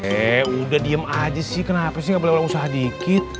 eh udah diem aja sih kenapa sih nggak boleh usaha dikit